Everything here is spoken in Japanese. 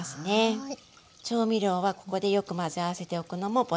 はい。